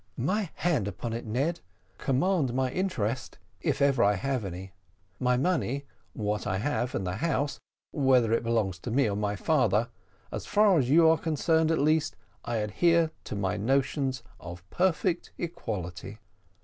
"My hand upon it, Ned. Command my interest, if ever I have any my money what I have, and the house, whether it belongs to me or my father as far as you are concerned at least, I adhere to my notions of perfect equality."